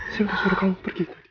saya udah suruh kamu pergi tadi